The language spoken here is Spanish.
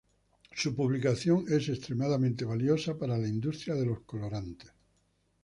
Su publicación es extremadamente valiosa para la industria de los colorantes.